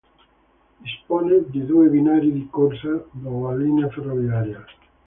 Dispone di due binari di corsa della linea ferroviaria.